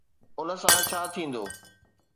ان سان ڇا ٿيندو؟